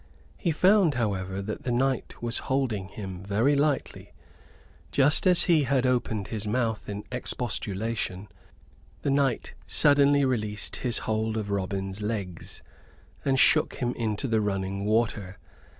He found, however, that the knight was holding him very lightly. Just as he had opened his mouth in expostulation, the knight suddenly released his hold of Robin's legs, and shook him into the running water.